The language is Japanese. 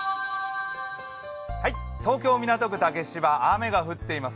東京・港区竹芝雨が降っています。